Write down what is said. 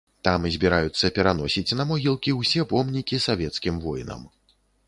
Там збіраюцца пераносіць на могілкі ўсе помнікі савецкім воінам.